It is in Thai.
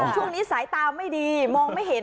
ช่วงนี้สายตาไม่ดีมองไม่เห็น